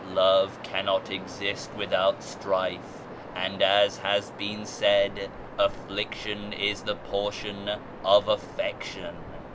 Love cannot exist without strife, and, as has been said, ' affliction is the portion of dffection.'